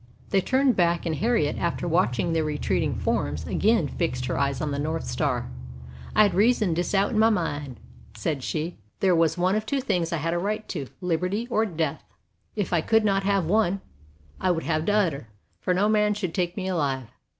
They turned back, and Har riet, after watching their retreating forms, again fixed her eyes on the north star. "I had reasoned dis out in my min'," said she; "there was one of two things I had a right to, liberty or death. If I could not have one, I would have de other, for no man should take me alive.